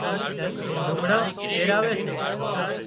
لگھڙان پيراوي سي